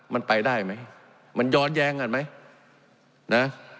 มันไปได้ไหมมันย้อนแย้งกันไหมนะ